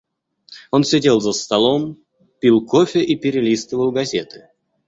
Он сидел за столом, пил кофе и перелистывал газеты.